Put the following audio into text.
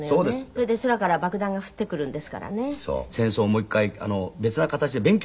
それで空から爆弾が降ってくるんですからね。